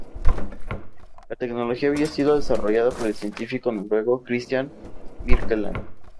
La tecnología había sido desarrollada por el científico noruego Kristian Birkeland.